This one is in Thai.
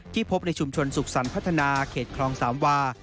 พบในชุมชนสุขสรรคพัฒนาเขตคลองสามวา